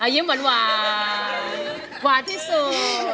ยิ้มหวานหวานที่สุด